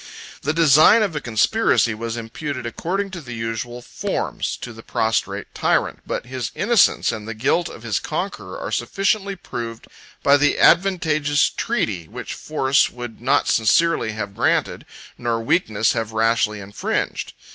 The design of a conspiracy was imputed, according to the usual forms, to the prostrate tyrant; but his innocence, and the guilt of his conqueror, 22 are sufficiently proved by the advantageous treaty which force would not sincerely have granted, nor weakness have rashly infringed.